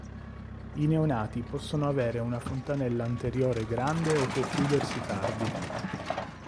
I neonati possono avere una fontanella anteriore grande o può chiudersi tardi.